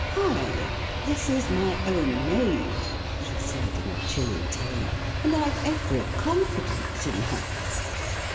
" Why, this is my own maid," she said, in a chilly tone, "and I've every con¬ fidence in her."